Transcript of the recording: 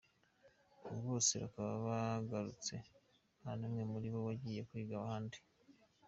Ubu bose bakaba bagarutse nta n’umwe muri bo wagiye kwiga ahandi.